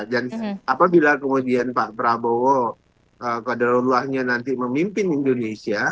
dan apabila kemudian pak prabowo kodolohnya nanti memimpin indonesia